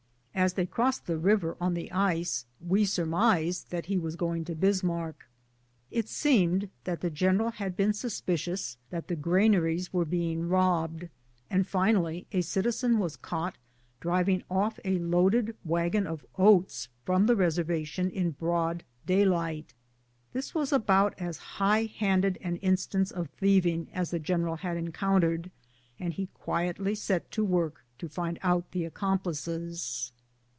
As they crossed the river on the ice, we surmised that he was going to Bismarck. It seemed that the general had been suspicious that the granaries were being robbed, and finally a citizen was caught driving off a loaded wagon of oats from the reservation in broad daylight. This was about as high handed an instance of thieving as the general had encountered, and he quietly set to work to find out the accomplices.